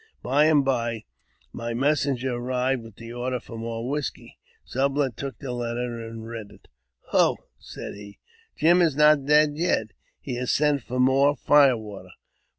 | By and by my messenger arrived with the order for more^ I whisky. Sublet took the letter and read it. " Ho !" said he, I " Jim is not dead yet. He has sent for more fire water.